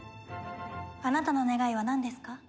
あなたの願いはなんですか？